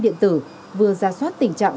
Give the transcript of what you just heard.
điện tử vừa giá soát tình trạng